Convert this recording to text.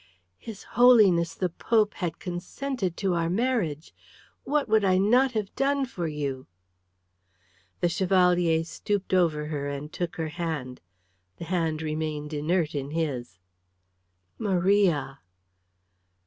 "His Holiness the Pope had consented to our marriage. What would I not have done for you?" The Chevalier stooped over her and took her hand. The hand remained inert in his. "Maria!"